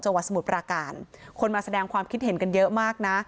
สมุทรปราการคนมาแสดงความคิดเห็นกันเยอะมากนะ